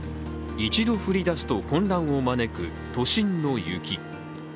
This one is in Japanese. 一度降り出すと混乱を招く都心の雪。